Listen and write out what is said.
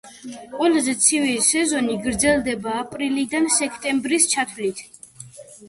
ყველაზე ცივი სეზონი გრძელდება აპრილიდან სექტემბრის ჩათვლით.